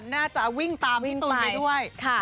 น่าจะวิ่งตามพี่ตูนไปด้วย